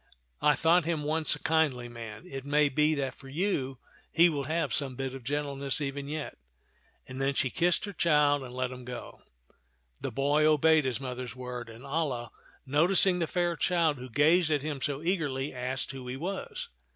I thought him once a kindly man ; it may be that for you he will have some bit of gentle ness even yet "; and then she kissed her child and let him go. The boy obeyed his mother's word; and Alia, no ticing the fair child who gazed at him so eagerly, asked who he was.